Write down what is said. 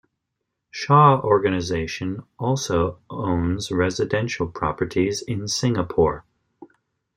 Shaw Organisation also owns residential properties in Singapore.